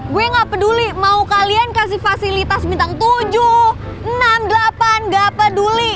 gue gak peduli mau kalian kasih fasilitas bintang tujuh enam delapan gak peduli